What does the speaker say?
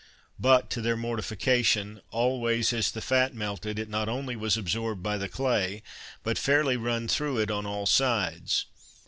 But, to their mortification, always as the fat melted, it not only was absorbed by the clay, but fairly run through it on all sides.